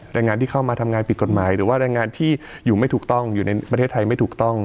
แรงงานที่เข้ามาทำงานผิดกฎหมายหรือว่าแรงงานที่อยู่ไม่ถูกต้องอยู่ในประเทศไทยไม่ถูกต้อง